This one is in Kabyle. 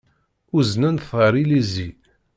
Uznen-t ɣer Illizi.